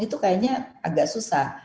itu kayaknya agak susah